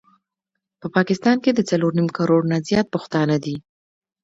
په پاکستان کي د څلور نيم کروړ نه زيات پښتانه دي